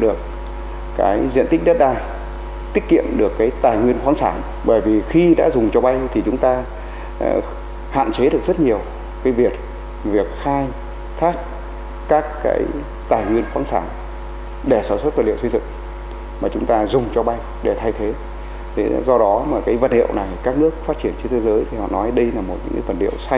do đó mà cái vật hiệu này các nước phát triển trên thế giới thì họ nói đây là một cái vật hiệu xanh thân thiện với môi trường